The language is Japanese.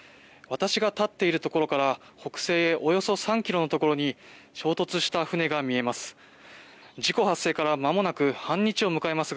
私が立っているところから北西へおよそ３ｋｍのところに衝突した船が見えます。